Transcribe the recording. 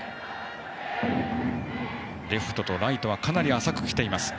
レフトとライトはかなり浅く来ています。